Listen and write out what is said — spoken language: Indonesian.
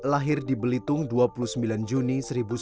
lahir di belitung dua puluh sembilan juni seribu sembilan ratus sembilan puluh